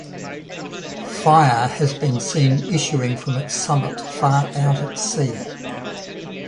Fire has been seen issuing from its summit far out at sea.